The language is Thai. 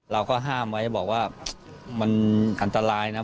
เราก็ห้ามไว้บอกว่ามันอันตรายนะ